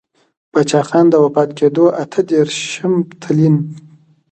پــاچــاخــان د وفــات کـېـدو اته درېرشم تـلـيـن.